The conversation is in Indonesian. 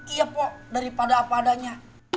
iya pok daripada apa adanya